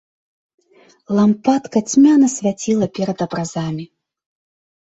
Лампадка цьмяна свяціла перад абразамі.